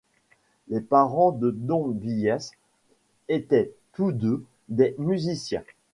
Les parents de Don Byas étaient tous deux des musiciens.